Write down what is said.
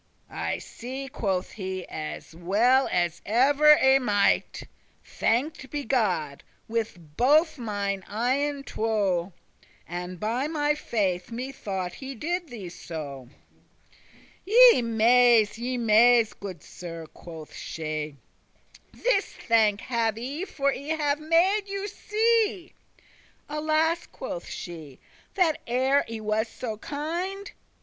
*glimmering "I see," quoth he, "as well as ever I might, (Thanked be God!) with both mine eyen two, And by my faith me thought he did thee so." "Ye maze,* ye maze, goode Sir," quoth she; *rave, are confused "This thank have I for I have made you see: Alas!" quoth she, "that e'er I was so kind."